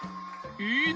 いいね！